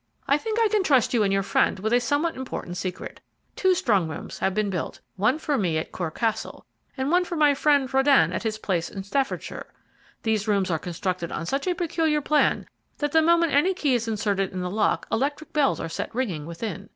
"I think I can trust you and your friend with a somewhat important secret. Two strong rooms have been built, one for me at Cor Castle, and one for my friend Röden at his place in Staffordshire. These rooms are constructed on such a peculiar plan that the moment any key is inserted in the lock electric bells are set ringing within.